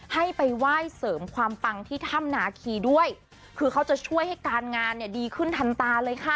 ให้ไปไหว้เสริมความปังที่ถ้ำนาคีด้วยคือเขาจะช่วยให้การงานเนี่ยดีขึ้นทันตาเลยค่ะ